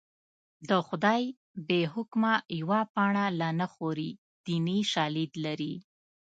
د خدای بې حکمه یوه پاڼه لا نه خوري دیني شالید لري